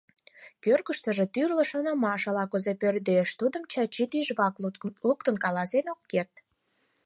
Кӧргыштыжӧ тӱрлӧ шонымаш ала-кузе пӧрдеш, тудым Чачи тӱжвак луктын каласен ок керт.